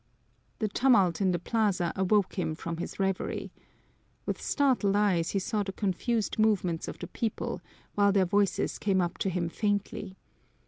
The tumult in the plaza awoke him from his reverie. With startled eyes he saw the confused movements of the people, while their voices came up to him faintly.